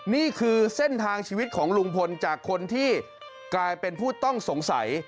นี่คือเส้นทางชีวิตของลุงพลจากคนที่กลายเป็นผู้ต้องสงสัย